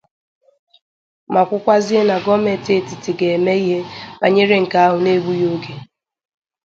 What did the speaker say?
ma kwukwazie na gọọmenti etiti ga-eme ihe bànyere nke ahụ n'egbughị oge